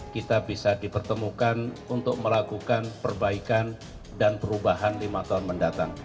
kita bisa dipertemukan untuk melakukan perbaikan dan perubahan lima tahun mendatang